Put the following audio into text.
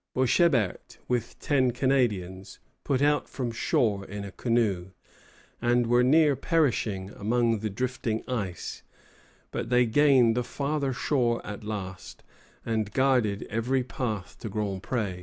Boishébert, with ten Canadians, put out from shore in a canoe, and were near perishing among the drifting ice; but they gained the farther shore at last, and guarded every path to Grand Pré.